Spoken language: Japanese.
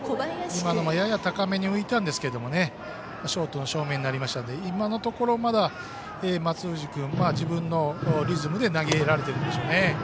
今のもやや高めに浮いたんですがショートの正面になりましたので今のところ、まだ松藤君は自分のリズムで投げられているんでしょうね。